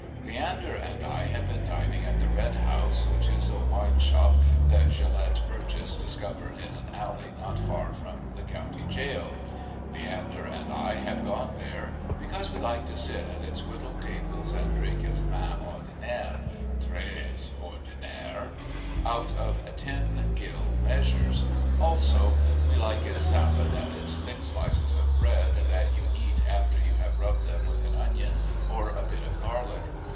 Leander and I had been dining at the "Red House," which is a wine shop that Gelett Burgess discovered in an alley not far from the county jail. Leander and I had gone there because we like to sit at its whittled tables and drink its Vin Ordinaire (très ordinaire) out of tin gill measures; also we like its salad and its thick slices of bread that you eat after you have rubbed them with an onion or a bit of garlic.